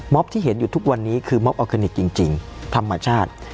ที่เห็นอยู่ทุกวันนี้คือมอบออร์แกนิคจริงธรรมชาติ